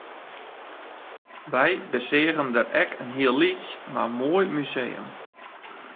Wy beseagen dêr ek in hiel lyts mar moai museum